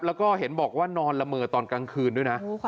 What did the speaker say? แล้วก็เห็นบอกว่านอนละเมอตอนกลางคืนด้วยนะ